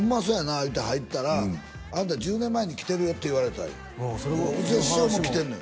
いうて入ったら「あなた１０年前に来てるよ」って言われたんようちの師匠も来てんのよ